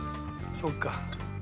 そっか。